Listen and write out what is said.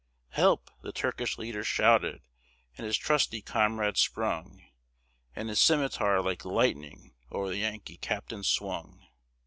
"Help!" the Turkish leader shouted, and his trusty comrade sprung, And his scimetar like lightning o'er the Yankee captain swung.